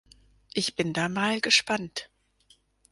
Ich bin da mal gespannt.